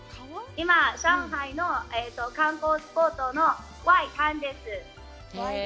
今、上海の観光スポットの外灘です。